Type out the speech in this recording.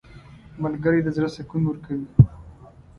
• ملګری د زړه سکون ورکوي.